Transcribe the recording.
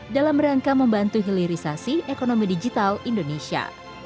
dalam rangka membantu hilirisasi ekonomi digital indonesia